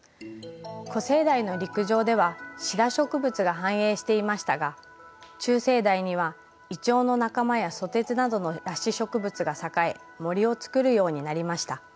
古生代の陸上ではシダ植物が繁栄していましたが中生代にはイチョウの仲間やソテツなどの裸子植物が栄え森を作るようになりました。